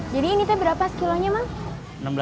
jadi ini berapa sekilonya emang